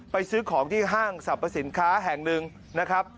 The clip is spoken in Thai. ซื้อของที่ห้างสรรพสินค้าแห่งหนึ่งนะครับ